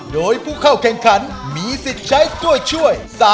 โดยผู้เข้าแข่งขันมีสิทธิ์ใช้ตัวช่วย